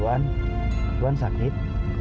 tuan tuan sakit